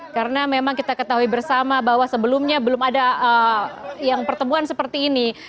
karena memang kita ketahui bersama bahwa sebelumnya belum ada yang pertemuan seperti ini